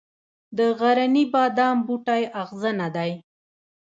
د غرني بادام بوټی اغزنه دی